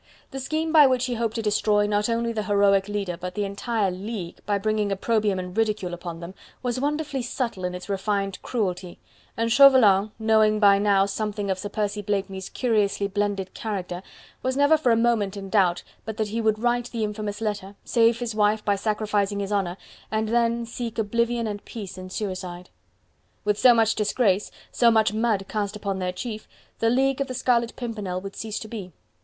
The scheme by which he hoped to destroy not only the heroic leader but the entire League by bringing opprobrium and ridicule upon them, was wonderfully subtle in its refined cruelty, and Chauvelin, knowing by now something of Sir Percy Blakeney's curiously blended character, was never for a moment in doubt but that he would write the infamous letter, save his wife by sacrificing his honour, and then seek oblivion and peace in suicide. With so much disgrace, so much mud cast upon their chief, the League of the Scarlet Pimpernel would cease to be.